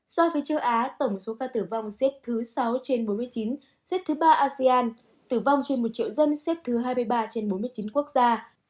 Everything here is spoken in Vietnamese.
so với châu á tổng số ca tử vong xếp thứ sáu trên bốn mươi chín xếp thứ ba asean tử vong trên một triệu dân xếp thứ hai mươi ba trên bốn mươi chín quốc gia